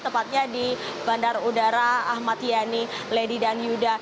tepatnya di bandar udara ahmad yani lady dan yuda